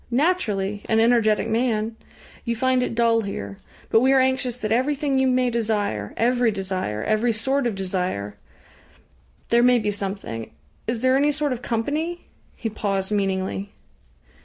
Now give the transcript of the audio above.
Naturally an energetic man! You find it dull here. But we are anxious that everything you may desire every desire every sort of desire ... There may be something. Is there any sort of company?" He paused meaningly.